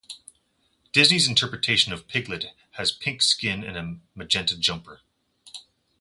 Disney's interpretation of Piglet has pink skin and a magenta jumper.